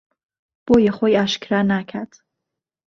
بۆیە خۆی ئاشکرا ناکات